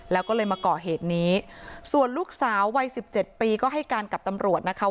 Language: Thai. แล้วก็เลยมาก่อเหตุนี้ส่วนลูกสาววัยสิบเจ็ดปีก็ให้การกับตำรวจนะคะ